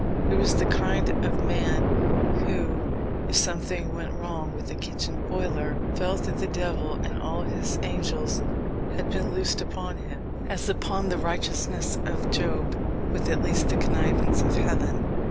He was the kind of man who, if something went wrong with the kitchen boiler, felt that the Devil and all his angels had been loosed upon him, as upon the righteous Job, with at least the connivance of Heaven.